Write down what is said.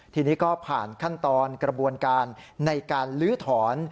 ทีนี้ก็ผ่านขั้นตอนกระบวนการในการลื้อถอน